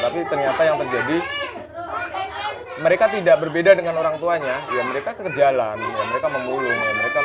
tapi ternyata yang terjadi mereka tidak berbeda dengan orang tuanya ya dari negara mereka kekejalan mereka memulung durante perjalanan